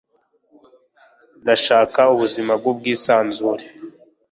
ndashaka ubuzima bwubwisanzure